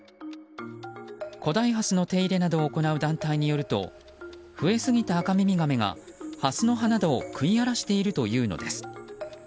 古代ハスの手入れなどを行う団体によると増えすぎたアカミミガメがハスの葉などを食い荒らしているというのです。